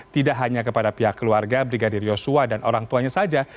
tidak hanya kepada pihak keluarga brigadir yosua dan orang tuanya saja